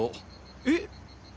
えっ？